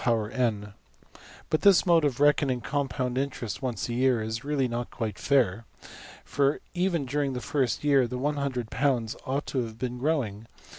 \] But this mode of reckoning compound interest once a year, is really not quite fair; for even during the first year the~£$100$ ought to have been growing.